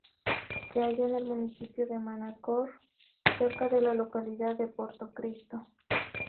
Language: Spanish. Se hallan en el municipio de Manacor, cerca de la localidad de Porto Cristo.